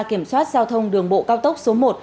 kiểm soát giao thông đường bộ cao tốc số một